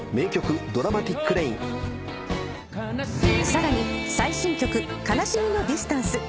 さらに最新曲『哀しみのディスタンス』